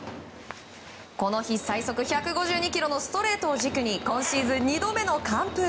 この日最速１５２キロのストレートを軸に今シーズン２度目の完封。